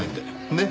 ねっ？